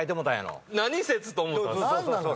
「何説」と思ったんですか？